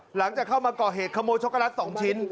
หลังจากเข้ามาก่อเหตุขโมยช็อกโกแลต๒ชิ้น